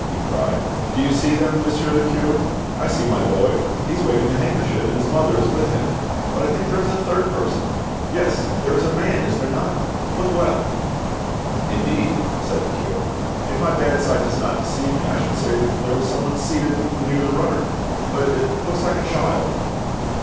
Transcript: he cried. "Do you see them, Monsieur le cure? I see my boy; he is waving the handkerchief, and his mother is with him. But I think there is a third person—yes, there is a man, is there not? Look well." "Indeed," said the cure, "if my bad sight does not deceive me, I should say there was someone seated near the rudder; but it looks like a child."